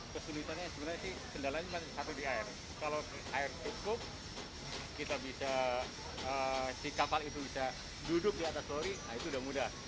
kesulitannya sebenarnya sih kendalanya cuma satu di air kalau air cukup kita bisa si kapal itu bisa duduk di atas lori nah itu sudah mudah